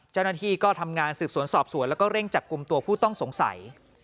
เจ้าหน้าที่ก็ทำงานสืบสวนสอบสวนแล้วก็เร่งจับกลุ่มตัวผู้ต้องสงสัย